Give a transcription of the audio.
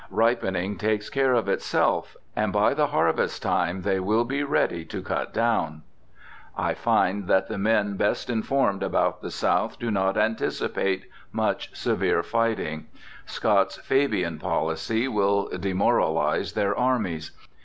Ripening takes care of itself; and by the harvest time they will be ready to cut down. "I find that the men best informed about the South do not anticipate much severe fighting. Scott's Fabian policy will demoralize their armies.